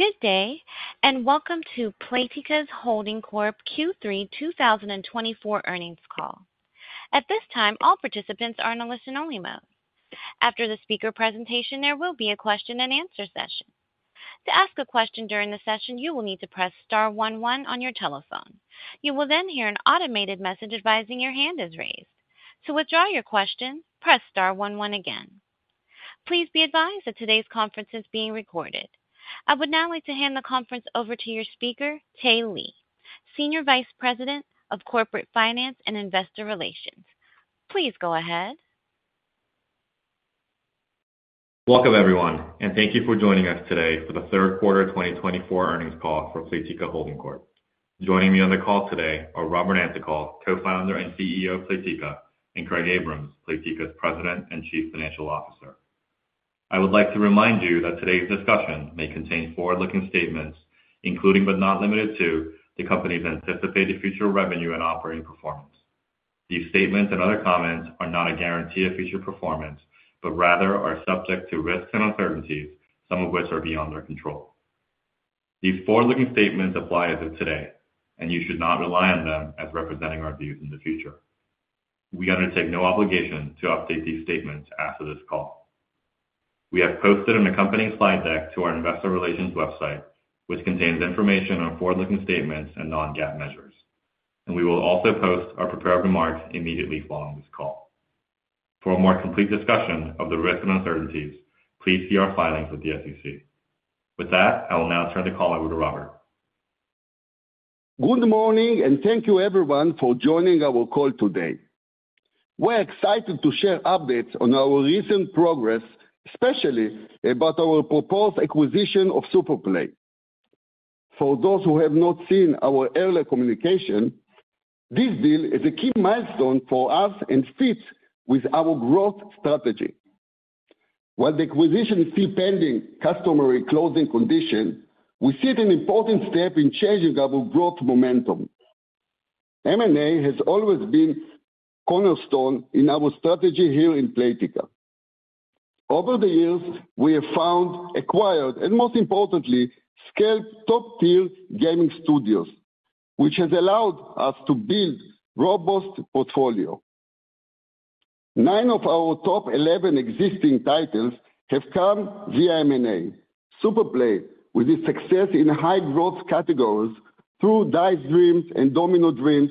Good day, and welcome to Playtika Holding Corp Q3 2024 earnings call. At this time, all participants are in a listen-only mode. After the speaker presentation, there will be a question-and-answer session. To ask a question during the session, you will need to press star 11 on your telephone. You will then hear an automated message advising your hand is raised. To withdraw your question, press star 11 again. Please be advised that today's conference is being recorded. I would now like to hand the conference over to your speaker, Tae Lee, Senior Vice President of Corporate Finance and Investor Relations. Please go ahead. Welcome, everyone, and thank you for joining us today for the third quarter 2024 earnings call for Playtika Holding Corp. Joining me on the call today are Robert Antokol, Co-founder and CEO of Playtika, and Craig Abrams, Playtika's President and Chief Financial Officer. I would like to remind you that today's discussion may contain forward-looking statements, including but not limited to the company's anticipated future revenue and operating performance. These statements and other comments are not a guarantee of future performance, but rather are subject to risks and uncertainties, some of which are beyond our control. These forward-looking statements apply as of today, and you should not rely on them as representing our views in the future. We undertake no obligation to update these statements after this call. We have posted an accompanying slide deck to our Investor Relations website, which contains information on forward-looking statements and Non-GAAP measures. And we will also post our prepared remarks immediately following this call. For a more complete discussion of the risks and uncertainties, please see our filings with the SEC. With that, I will now turn the call over to Robert. Good morning, and thank you, everyone, for joining our call today. We're excited to share updates on our recent progress, especially about our proposed acquisition of Superplay. For those who have not seen our earlier communication, this deal is a key milestone for us and fits with our growth strategy. While the acquisition is still pending customary closing conditions, we see it as an important step in changing our growth momentum. M&A has always been a cornerstone in our strategy here in Playtika. Over the years, we have found, acquired, and most importantly, scaled top-tier gaming studios, which has allowed us to build a robust portfolio. Nine of our top 11 existing titles have come via M&A. Superplay, with its success in high-growth categories through Dice Dreams and Domino Dreams,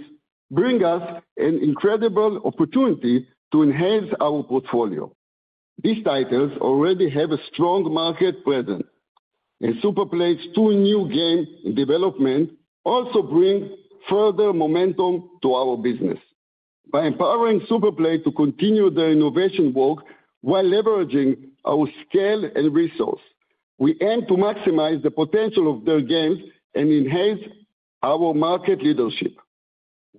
brings us an incredible opportunity to enhance our portfolio. These titles already have a strong market presence, and Superplay's two new games in development also bring further momentum to our business. By empowering Superplay to continue their innovation work while leveraging our scale and resources, we aim to maximize the potential of their games and enhance our market leadership.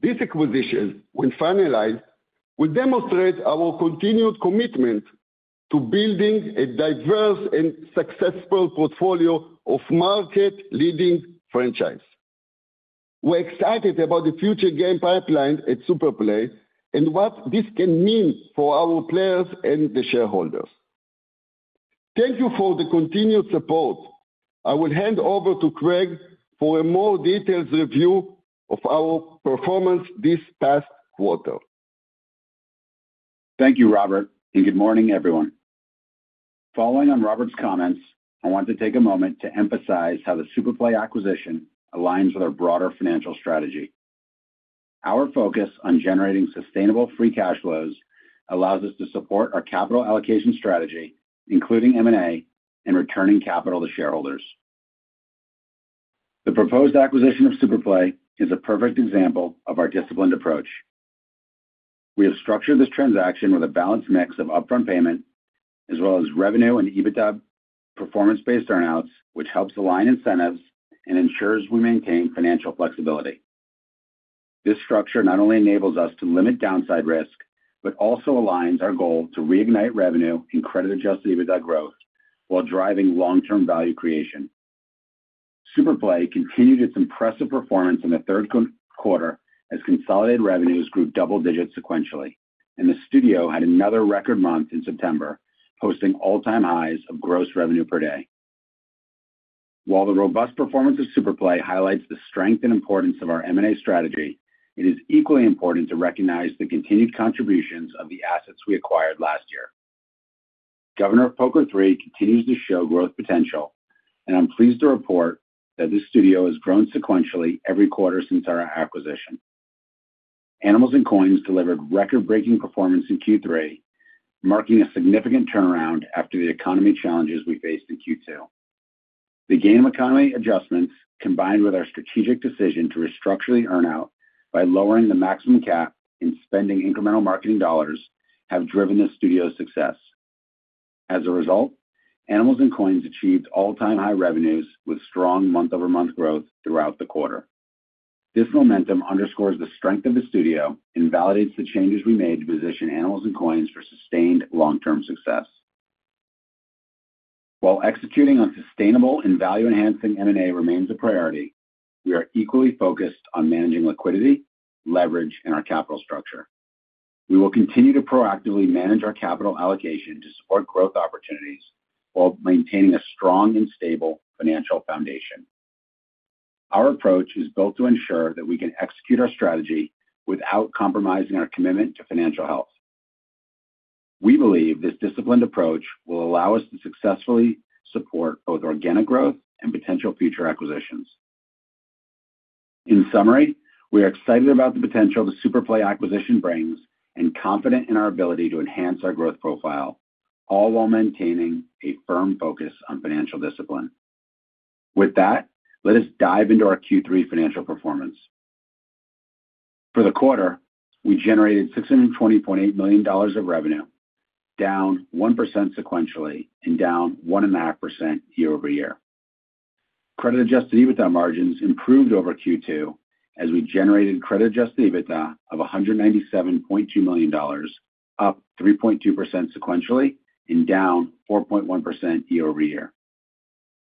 This acquisition, when finalized, will demonstrate our continued commitment to building a diverse and successful portfolio of market-leading franchises. We're excited about the future game pipeline at Superplay and what this can mean for our players and the shareholders. Thank you for the continued support. I will hand over to Craig for a more detailed review of our performance this past quarter. Thank you, Robert, and good morning, everyone. Following on Robert's comments, I want to take a moment to emphasize how the Superplay acquisition aligns with our broader financial strategy. Our focus on generating sustainable free cash flows allows us to support our capital allocation strategy, including M&A and returning capital to shareholders. The proposed acquisition of Superplay is a perfect example of our disciplined approach. We have structured this transaction with a balanced mix of upfront payment, as well as revenue and EBITDA performance-based earnouts, which helps align incentives and ensures we maintain financial flexibility. This structure not only enables us to limit downside risk, but also aligns our goal to reignite revenue and credit-adjusted EBITDA growth while driving long-term value creation. Superplay continued its impressive performance in the third quarter as consolidated revenues grew double-digits sequentially, and the studio had another record month in September, posting all-time highs of gross revenue per day. While the robust performance of Superplay highlights the strength and importance of our M&A strategy, it is equally important to recognize the continued contributions of the assets we acquired last year. Governor of Poker 3 continues to show growth potential, and I'm pleased to report that the studio has grown sequentially every quarter since our acquisition. Animals & Coins delivered record-breaking performance in Q3, marking a significant turnaround after the economy challenges we faced in Q2. The game economy adjustments, combined with our strategic decision to restructure the earnout by lowering the maximum cap and spending incremental marketing dollars, have driven the studio's success. As a result, Animals & Coins achieved all-time high revenues with strong month-over-month growth throughout the quarter. This momentum underscores the strength of the studio and validates the changes we made to position Animals & Coins for sustained long-term success. While executing on sustainable and value-enhancing M&A remains a priority, we are equally focused on managing liquidity, leverage, and our capital structure. We will continue to proactively manage our capital allocation to support growth opportunities while maintaining a strong and stable financial foundation. Our approach is built to ensure that we can execute our strategy without compromising our commitment to financial health. We believe this disciplined approach will allow us to successfully support both organic growth and potential future acquisitions. In summary, we are excited about the potential the Superplay acquisition brings and confident in our ability to enhance our growth profile, all while maintaining a firm focus on financial discipline. With that, let us dive into our Q3 financial performance. For the quarter, we generated $620.8 million of revenue, down 1% sequentially, and down 1.5% year-over-year. Credit-adjusted EBITDA margins improved over Q2 as we generated credit-adjusted EBITDA of $197.2 million, up 3.2% sequentially and down 4.1% year-over-year.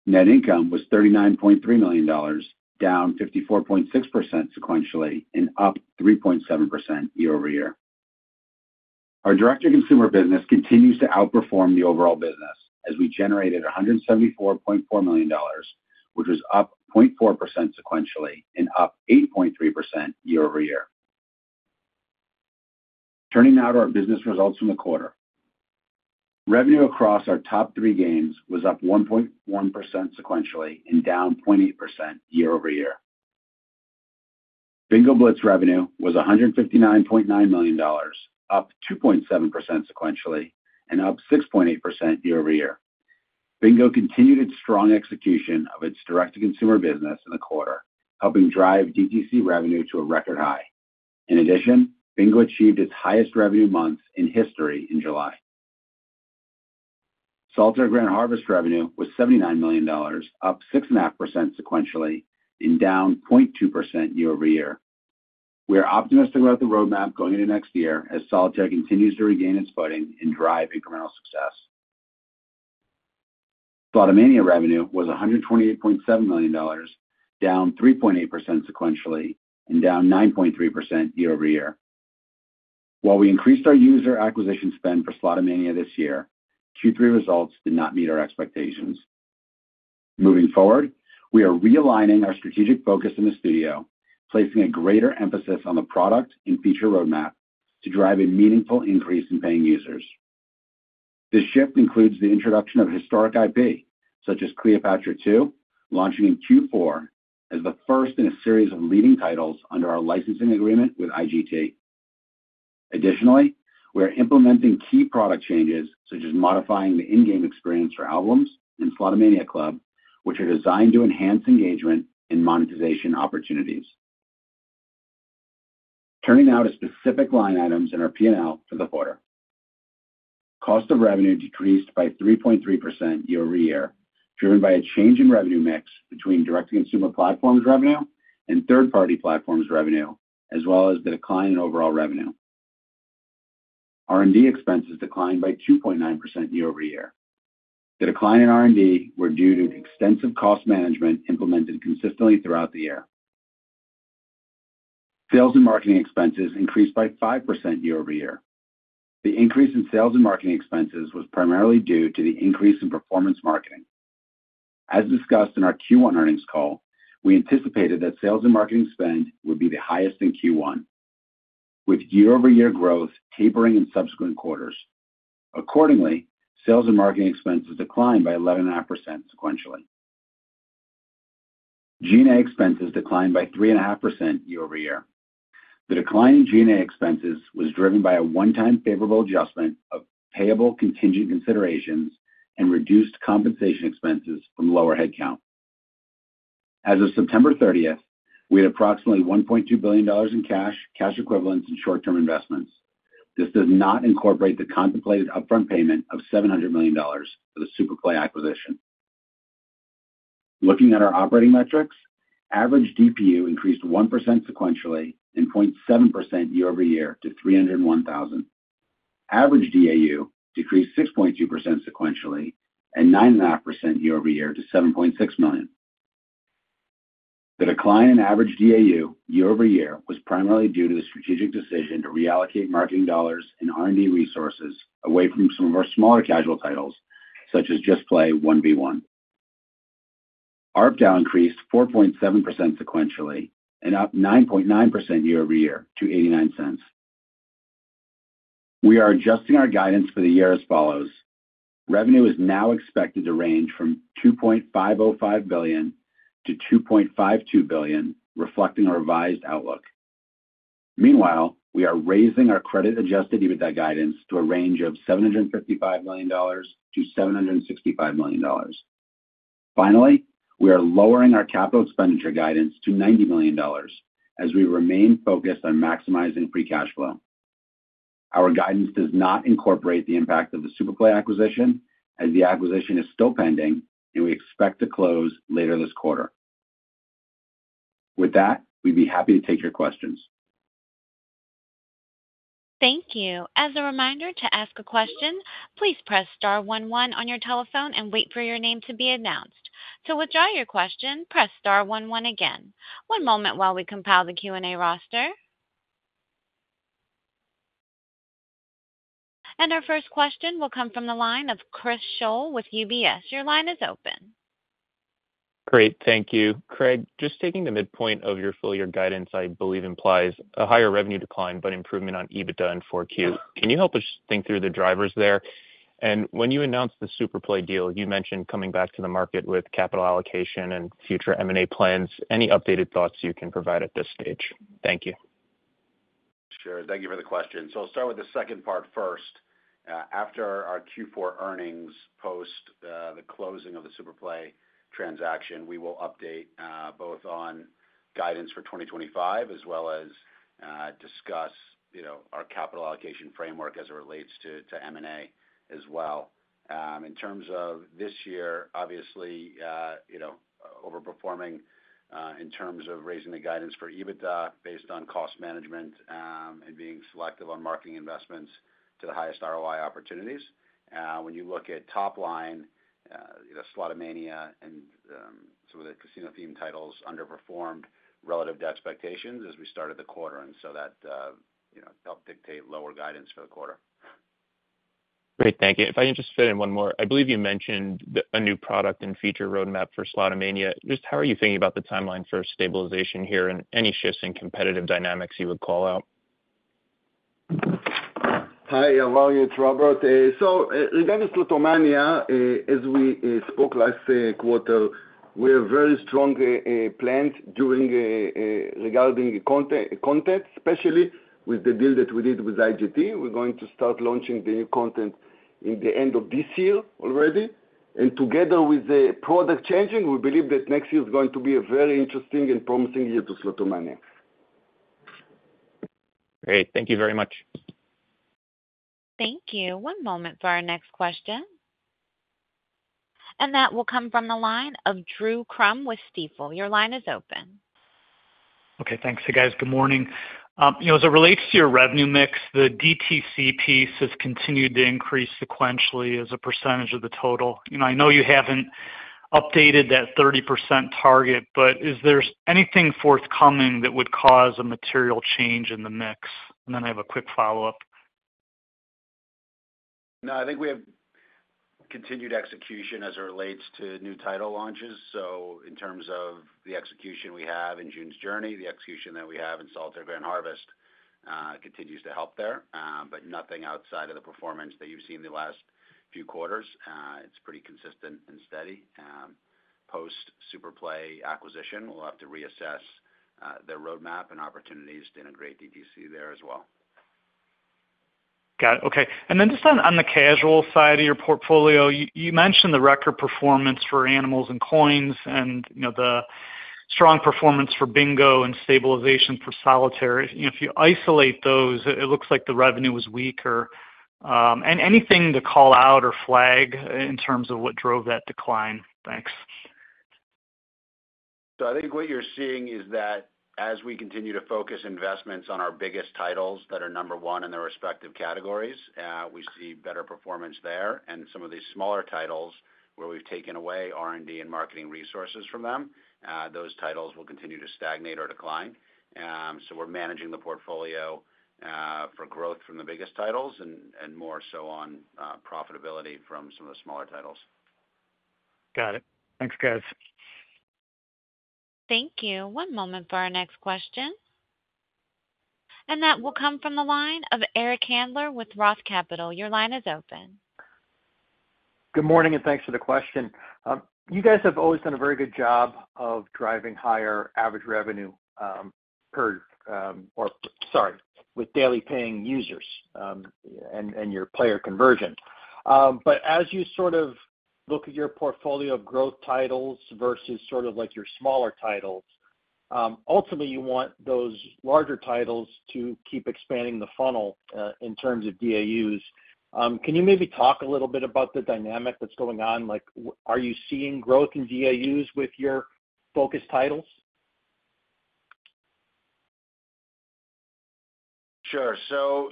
Net income was $39.3 million, down 54.6% sequentially and up 3.7% year-over-year. Our direct-to-consumer business continues to outperform the overall business as we generated $174.4 million, which was up 0.4% sequentially and up 8.3% year-over-year. Turning now to our business results from the quarter, revenue across our top three games was up 1.1% sequentially and down 0.8% year-over-year. Bingo Blitz revenue was $159.9 million, up 2.7% sequentially, and up 6.8% year-over-year. Bingo continued its strong execution of its direct-to-consumer business in the quarter, helping drive DTC revenue to a record high. In addition, Bingo achieved its highest revenue month in history in July. Solitaire Grand Harvest revenue was $79 million, up 6.5% sequentially and down 0.2% year-over-year. We are optimistic about the roadmap going into next year as Solitaire continues to regain its footing and drive incremental success. Slotomania revenue was $128.7 million, down 3.8% sequentially and down 9.3% year-over-year. While we increased our user acquisition spend for Slotomania this year, Q3 results did not meet our expectations. Moving forward, we are realigning our strategic focus in the studio, placing a greater emphasis on the product and feature roadmap to drive a meaningful increase in paying users. This shift includes the introduction of historic IP, such as Cleopatra II, launching in Q4 as the first in a series of leading titles under our licensing agreement with IGT. Additionally, we are implementing key product changes, such as modifying the in-game experience for albums and Slotomania Club, which are designed to enhance engagement and monetization opportunities. Turning now to specific line items in our P&L for the quarter. Cost of revenue decreased by 3.3% year-over-year, driven by a change in revenue mix between direct-to-consumer platforms' revenue and third-party platforms' revenue, as well as the decline in overall revenue. R&D expenses declined by 2.9% year-over-year. The decline in R&D was due to extensive cost management implemented consistently throughout the year. Sales and marketing expenses increased by 5% year-over-year. The increase in sales and marketing expenses was primarily due to the increase in performance marketing. As discussed in our Q1 earnings call, we anticipated that sales and marketing spend would be the highest in Q1, with year-over-year growth tapering in subsequent quarters. Accordingly, sales and marketing expenses declined by 11.5% sequentially. G&A expenses declined by 3.5% year-over-year. The decline in G&A expenses was driven by a one-time favorable adjustment of payable contingent considerations and reduced compensation expenses from lower headcount. As of September 30th, we had approximately $1.2 billion in cash, cash equivalents, and short-term investments. This does not incorporate the contemplated upfront payment of $700 million for the Superplay acquisition. Looking at our operating metrics, average DPU increased 1% sequentially and 0.7% year-over-year to 301,000. Average DAU decreased 6.2% sequentially and 9.5% year-over-year to 7.6 million. The decline in average DAU year-over-year was primarily due to the strategic decision to reallocate marketing dollars and R&D resources away from some of our smaller casual titles, such as JustPlay 1v1. ARPDAU increased 4.7% sequentially and up 9.9% year-over-year to $0.89. We are adjusting our guidance for the year as follows. Revenue is now expected to range from $2.505 billion-$2.52 billion, reflecting our revised outlook. Meanwhile, we are raising our credit-adjusted EBITDA guidance to a range of $755 million-$765 million. Finally, we are lowering our capital expenditure guidance to $90 million as we remain focused on maximizing free cash flow. Our guidance does not incorporate the impact of the Superplay acquisition, as the acquisition is still pending, and we expect to close later this quarter. With that, we'd be happy to take your questions. Thank you. As a reminder to ask a question, please press star one one on your telephone and wait for your name to be announced. To withdraw your question, press star one one again. One moment while we compile the Q&A roster, and our first question will come from the line of Chris Schoell with UBS. Your line is open. Craig, thank you. Craig, just taking the midpoint of your full-year guidance, I believe implies a higher revenue decline but improvement on EBITDA in 4Q. Can you help us think through the drivers there? And when you announced the Superplay deal, you mentioned coming back to the market with capital allocation and future M&A plans. Any updated thoughts you can provide at this stage? Thank you. Sure. Thank you for the question. So I'll start with the second part first. After our Q4 earnings post the closing of the Superplay transaction, we will update both on guidance for 2025 as well as discuss our capital allocation framework as it relates to M&A as well. In terms of this year, obviously overperforming in terms of raising the guidance for EBITDA based on cost management and being selective on marketing investments to the highest ROI opportunities. When you look at top line, Slotomania and some of the casino-themed titles underperformed relative to expectations as we started the quarter, and so that helped dictate lower guidance for the quarter. Great. Thank you. If I can just fit in one more, I believe you mentioned a new product and feature roadmap for Slotomania. Just how are you thinking about the timeline for stabilization here and any shifts in competitive dynamics you would call out? Hi. Morning, it's Robert. So regarding Slotomania, as we spoke last quarter, we have very strong plans regarding content, especially with the deal that we did with IGT. We're going to start launching the new content in the end of this year already. And together with the product changing, we believe that next year is going to be a very interesting and promising year for Slotomania. Great. Thank you very much. Thank you. One moment for our next question. And that will come from the line of Drew Crum with Stifel. Your line is open. Okay. Thanks. Hey, guys. Good morning. As it relates to your revenue mix, the DTC piece has continued to increase sequentially as a percentage of the total. I know you haven't updated that 30% target, but is there anything forthcoming that would cause a material change in the mix? And then I have a quick follow-up. No, I think we have continued execution as it relates to new title launches. So in terms of the execution we have in June's Journey, the execution that we have in Solitaire Grand Harvest continues to help there, but nothing outside of the performance that you've seen the last few quarters. It's pretty consistent and steady. Post-Superplay acquisition, we'll have to reassess the roadmap and opportunities to integrate DTC there as well. Got it. Okay. And then just on the casual side of your portfolio, you mentioned the record performance for Animals & Coins and the strong performance for Bingo and stabilization for Solitaire. If you isolate those, it looks like the revenue was weaker. Anything to call out or flag in terms of what drove that decline? Thanks. So I think what you're seeing is that as we continue to focus investments on our biggest titles that are number one in their respective categories, we see better performance there. And some of these smaller titles where we've taken away R&D and marketing resources from them, those titles will continue to stagnate or decline. So we're managing the portfolio for growth from the biggest titles and more so on profitability from some of the smaller titles. Got it. Thanks, guys. Thank you. One moment for our next question, and that will come from the line of Eric Handler with Roth Capital. Your line is open. Good morning and thanks for the question. You guys have always done a very good job of driving higher average revenue per, or sorry, with daily paying users and your player conversion. But as you sort of look at your portfolio of growth titles versus sort of like your smaller titles, ultimately you want those larger titles to keep expanding the funnel in terms of DAUs. Can you maybe talk a little bit about the dynamic that's going on? Are you seeing growth in DAUs with your focus titles? Sure. So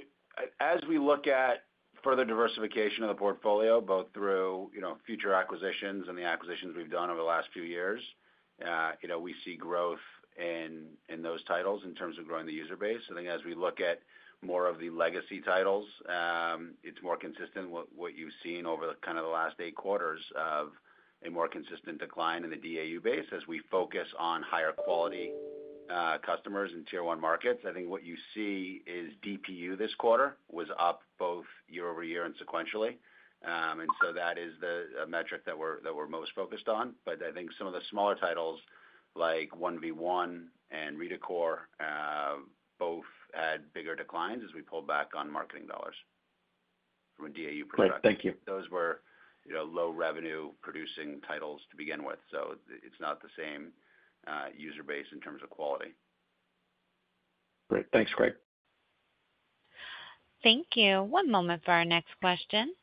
as we look at further diversification of the portfolio, both through future acquisitions and the acquisitions we've done over the last few years, we see growth in those titles in terms of growing the user base. I think as we look at more of the legacy titles, it's more consistent with what you've seen over kind of the last eight quarters of a more consistent decline in the DAU base as we focus on higher quality customers in tier one markets. I think what you see is DPU this quarter was up both year-over-year and sequentially. And so that is the metric that we're most focused on. But I think some of the smaller titles like 1v1 and Redecor both had bigger declines as we pulled back on marketing dollars from a DAU perspective. Great. Thank you. Those were low revenue producing titles to begin with, so it's not the same user base in terms of quality. Great. Thanks, Craig. Thank you. One moment for our next question.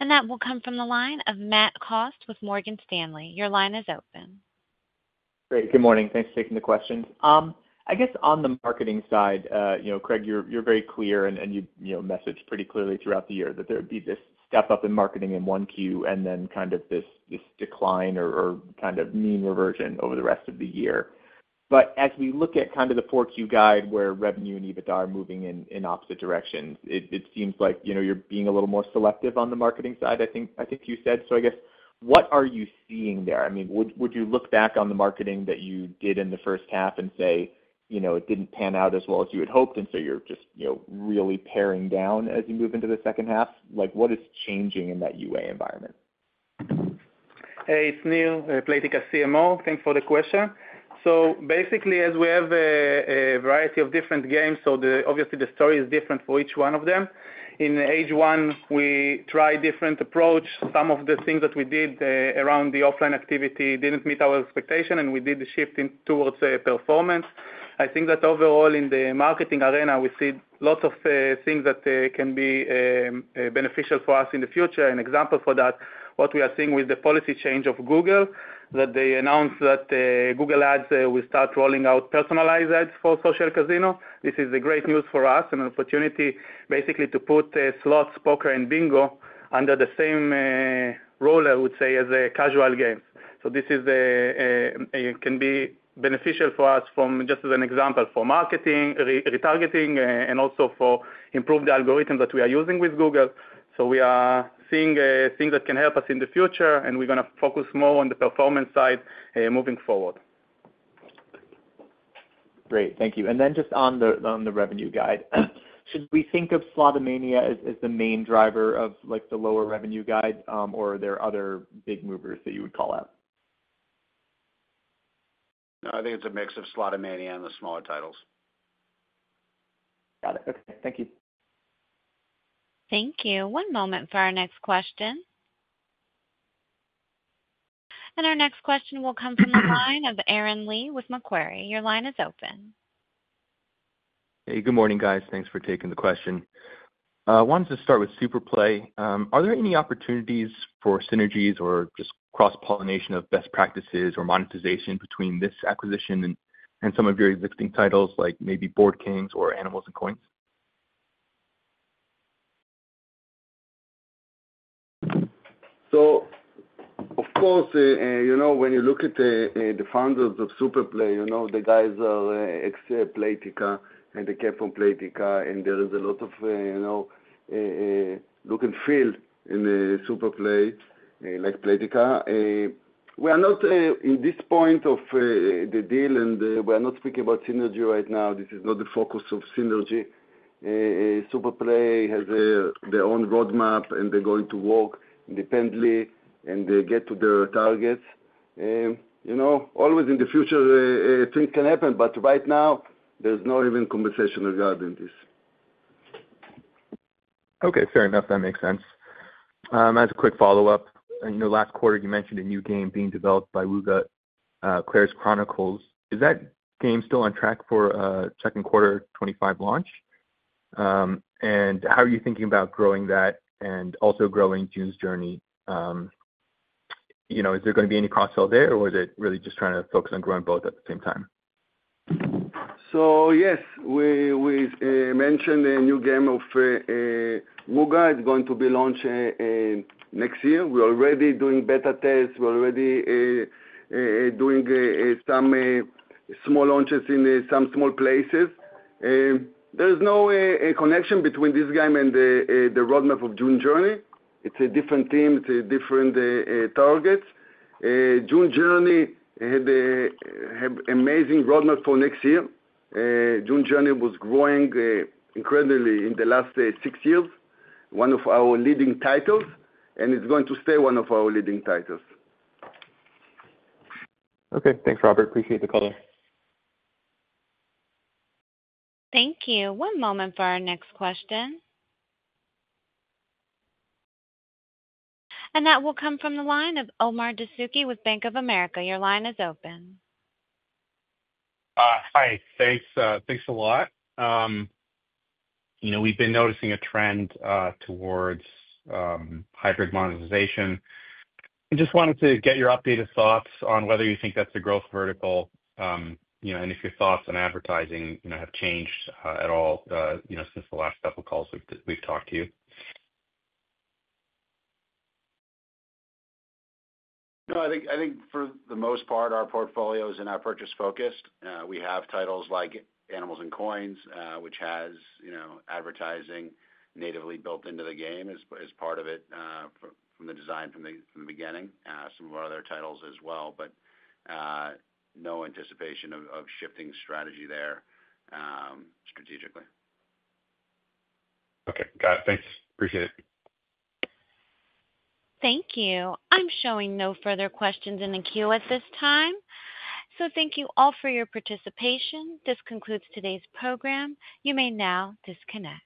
And that will come from the line of Matthew Cost with Morgan Stanley. Your line is open. Great. Good morning. Thanks for taking the question. I guess on the marketing side, Craig, you're very clear and you messaged pretty clearly throughout the year that there would be this step up in marketing in 1Q and then kind of this decline or kind of mean reversion over the rest of the year. But as we look at kind of the 4Q guide where revenue and EBITDA are moving in opposite directions, it seems like you're being a little more selective on the marketing side, I think you said. So I guess what are you seeing there? I mean, would you look back on the marketing that you did in the first half and say it didn't pan out as well as you had hoped, and so you're just really paring down as you move into the second half? What is changing in that UA environment? Hey, it's Nir, Playtika CMO. Thanks for the question. So basically, as we have a variety of different games, so obviously the story is different for each one of them. In H1, we tried different approaches. Some of the things that we did around the offline activity didn't meet our expectations, and we did the shift towards performance. I think that overall in the marketing arena, we see lots of things that can be beneficial for us in the future. An example for that, what we are seeing with the policy change of Google, that they announced that Google Ads will start rolling out personalized ads for social casino. This is great news for us and an opportunity basically to put slots, poker, and bingo under the same roof, I would say, as casual games. So this can be beneficial for us from just as an example for marketing, retargeting, and also for improving the algorithm that we are using with Google. So we are seeing things that can help us in the future, and we're going to focus more on the performance side moving forward. Great. Thank you. And then just on the revenue guide, should we think of Slotomania as the main driver of the lower revenue guide, or are there other big movers that you would call out? No, I think it's a mix of Slotomania and the smaller titles. Got it. Okay. Thank you. Thank you. One moment for our next question. And our next question will come from the line of Aaron Lee with Macquarie. Your line is open. Hey, good morning, guys. Thanks for taking the question. I wanted to start with Superplay. Are there any opportunities for synergies or just cross-pollination of best practices or monetization between this acquisition and some of your existing titles like maybe Board Kings or Animals & Coins? So of course, when you look at the founders of Superplay, the guys are Playtika, and they came from Playtika, and there is a lot of look and feel in Superplay like Playtika. We are not at this point of the deal, and we are not speaking about synergy right now. This is not the focus of synergy. Superplay has their own roadmap, and they're going to work independently and get to their targets. Always in the future, things can happen, but right now, there's no even conversation regarding this. Okay. Fair enough. That makes sense. As a quick follow-up, last quarter, you mentioned a new game being developed by Wooga, Claire's Chronicles. Is that game still on track for second quarter 2025 launch? And how are you thinking about growing that and also growing June's Journey? Is there going to be any cross-sell there, or is it really just trying to focus on growing both at the same time? So yes, we mentioned a new game of Wooga. It's going to be launched next year. We're already doing beta tests. We're already doing some small launches in some small places. There's no connection between this game and the roadmap of June's Journey. It's a different team. It's different targets. June's Journey had an amazing roadmap for next year. June's Journey was growing incredibly in the last six years, one of our leading titles, and it's going to stay one of our leading titles. Okay. Thanks, Robert. Appreciate the call. Thank you. One moment for our next question. And that will come from the line of Omar Dessouky with Bank of America. Your line is open. Hi. Thanks a lot. We've been noticing a trend towards hybrid monetization. I just wanted to get your updated thoughts on whether you think that's a growth vertical and if your thoughts on advertising have changed at all since the last couple of calls we've talked to you? No, I think for the most part, our portfolio is in our purchase focus. We have titles like Animals & Coins, which has advertising natively built into the game as part of it from the design from the beginning, some of our other titles as well, but no anticipation of shifting strategy there strategically. Okay. Got it. Thanks. Appreciate it. Thank you. I'm showing no further questions in the queue at this time. So thank you all for your participation. This concludes today's program. You may now disconnect.